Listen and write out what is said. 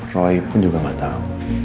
roy pun juga gak tau